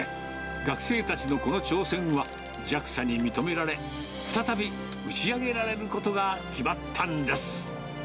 学生たちのこの挑戦はＪＡＸＡに認められ、再び打ち上げられることが決まったんです。